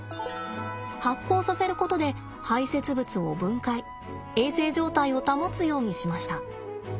発酵させることで排せつ物を分解衛生状態を保つようにしました。